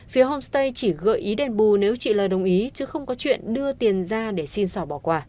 phía homestay chỉ gợi ý đền bù nếu chị l đồng ý chứ không có chuyện đưa tiền ra để xin sỏ bỏ quả